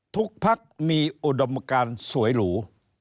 ภักดิ์มีอุดมการสวยหรู